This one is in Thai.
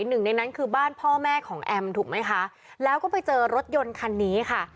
หนึ่งในนั้นคือบ้านพ่อแม่ของแอมถูกไหมคะแล้วก็ไปเจอรถยนต์คันนี้ค่ะ